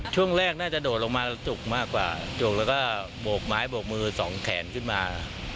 ช่วงแรกน่าจะโดดลงมาแล้วจุกมากกว่าจุกแล้วก็โบกไม้โบกมือสองแขนขึ้นมา